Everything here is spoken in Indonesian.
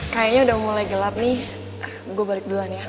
kayaknya udah mulai gelap nih gue balik duluan ya